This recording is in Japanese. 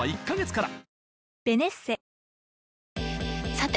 さて！